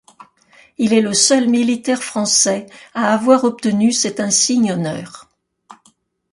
Il est le seul militaire français à avoir obtenu cet insigne honneur.